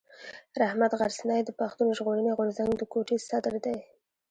رحمت غرڅنی د پښتون ژغورني غورځنګ د کوټي صدر دی.